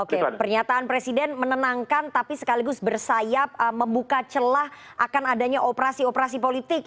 oke pernyataan presiden menenangkan tapi sekaligus bersayap membuka celah akan adanya operasi operasi politik